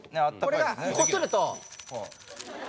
これがこすると。